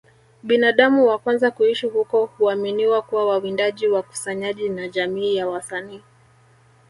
Binadamu wa kwanza kuishi huko huaminiwa kuwa wawindaji wakusanyaji wa jamii ya Wasani